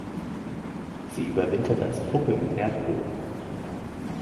Sie überwintert als Puppe im Erdboden.